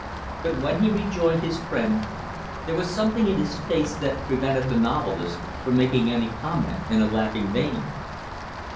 But when he rejoined his friend there was something in his face that prevented the novelist from making any comment in a laughing vein.